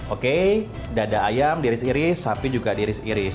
oke dada ayam diris iris sapi juga diris iris